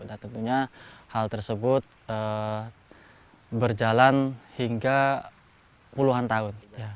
dan tentunya hal tersebut berjalan hingga puluhan tahun